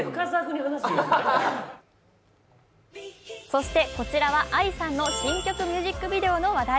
そして、こちらはＡＩさんの新曲ミュージックビデオの話題。